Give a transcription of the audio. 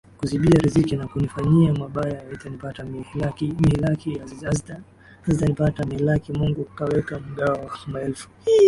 kuzibia riziki Na kunifanyia mabaya haitanipata mihilaki hazitanipata mihilaki Mungu kaweka mgao wa maelfu